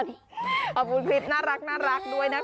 ความลับของแมวความลับของแมว